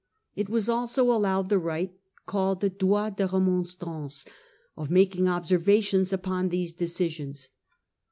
It was also allowed the right, called the droit de remontrances , of making observations upon these decisions.